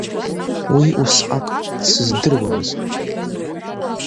Уи усҟак дсыздыруамызт.